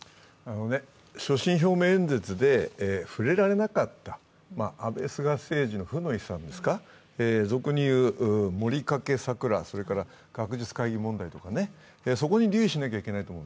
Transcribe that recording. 所信表明演説で触れられなかった安倍・菅政治の負の遺産ですか、俗に言うモリカケ・桜、学術会議問題とかね、そこに留意しないといけないと思う。